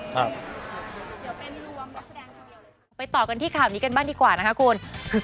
ไปต่อกันที่ข่าวนี้กันบ้างดีกว่านะคะคุณ